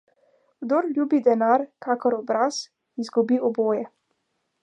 Kdor ljubi denar kakor obraz, izgubi oboje.